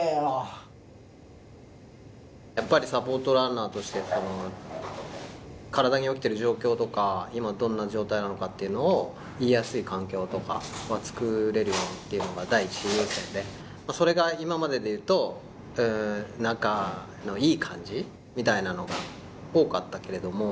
やっぱりサポートランナーとして、体に起きてる状況とか、今、どんな状態なのかっていうのを言いやすい環境とかを作れるようにっていうのが第一優先で、それが今まででいうと、仲のいい感じみたいなのが多かったけれども。